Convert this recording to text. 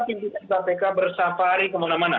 pimpinan kpk bersafari kemana mana